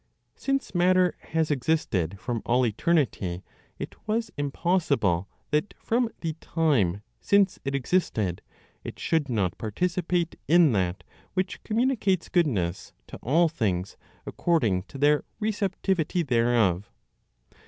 Since matter has existed from all eternity, it was impossible that from the time since it existed, it should not participate in that which communicates goodness to all things according to their receptivity thereof.